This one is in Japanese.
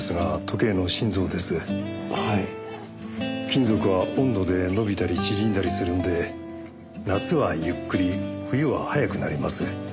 金属は温度で伸びたり縮んだりするんで夏はゆっくり冬は早くなります。